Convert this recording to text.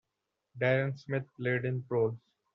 Darren Smith played in the Proles.